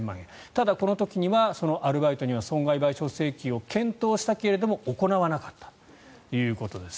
ただその時には当該アルバイトに損害賠償請求を検討したけれども行わなかったということです。